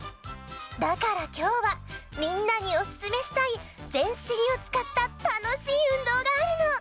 だからきょうはみんなにおすすめしたい全身をつかったたのしい運動があるの！